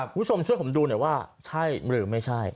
ผู้ชมช่วยผมดูว่าใช่หรือไม่ใช่